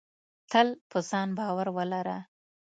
تل په ځان باور ولره.